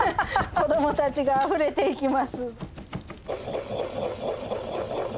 子どもたちがあふれていきます。